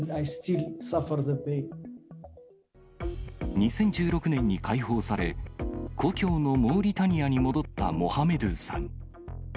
２０１６年に解放され、故郷のモーリタニアに戻ったモハメドゥさん。